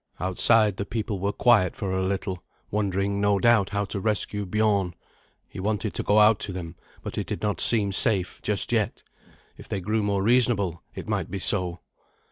Outside, the people were quiet for a little, wondering, no doubt, how to rescue Biorn. He wanted to go out to them, but it did not seem safe just yet. If they grew more reasonable it might be so.